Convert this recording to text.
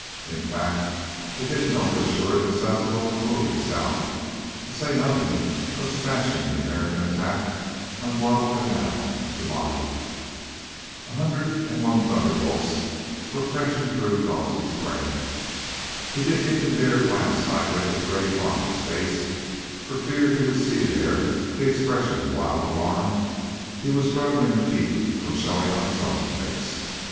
In fact, they didn't know for sure that Sasebo was moving south, to say nothing of smashing the American attack on Guadalcanal and Tulagi. A hundred and one thunderbolts were crashing through Dawson's brain. He didn't even dare glance sidewise at Freddy Farmer's face for fear he would see there the expression of wild alarm he was struggling to keep from showing on his own face.